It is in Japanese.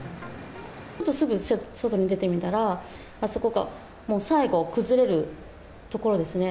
ちょっとすぐ外に出てみたら、そこがもう最後、崩れるところですね。